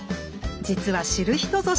実は知る人ぞ知る